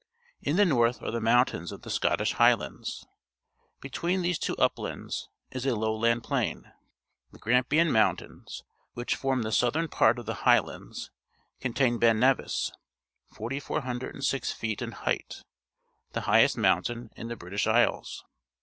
In the north are the moxintains of the Scottish IIighlmid.s. Be tween these two uplands is a lowland plain. The Gramj}ian_Mountains, which form the southern part of the Highlands, contain Ben Nevis, 4,406 feet in height, the highest mountain in the British Isles.